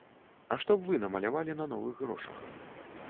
А што б вы намалявалі на новых грошах?